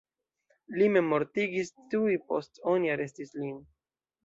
Li memmortigis tuj post oni arestis lin.